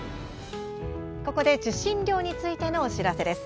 ここで、受信料についてのお知らせです。